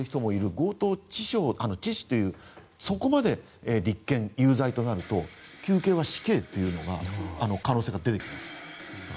強盗致死という、そこまで立件されて有罪となると求刑は死刑になるという可能性が出てくるんです。